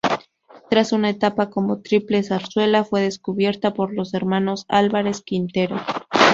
Tras una etapa como tiple de Zarzuela, fue descubierta por los hermanos Álvarez Quintero.